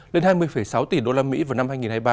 lên hai mươi sáu tỷ usd vào năm hai nghìn hai mươi ba